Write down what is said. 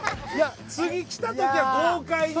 次来たときは豪快に。